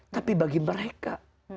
tapi bagi mereka